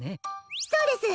そうです！